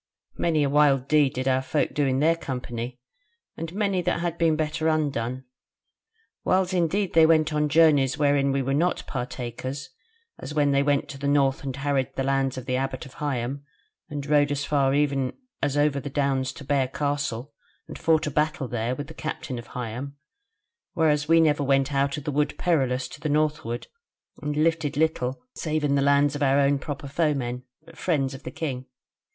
Many a wild deed did our folk in their company, and many that had been better undone. Whiles indeed they went on journeys wherein we were not partakers, as when they went to the North and harried the lands of the Abbot of Higham, and rode as far even as over the Downs to Bear Castle and fought a battle there with the Captain of Higham: whereas we went never out of the Wood Perilous to the northward; and lifted little save in the lands of our own proper foemen, the friends of the king.